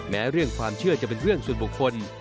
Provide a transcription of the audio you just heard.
แม้เรื่องความเชื่อจะเป็นเรื่องส่วนบุคคล